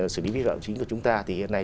xử lý vi phạm chính của chúng ta thì hiện nay